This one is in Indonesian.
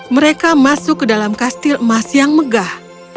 mereka masuk ke dalam kastil emas yang megah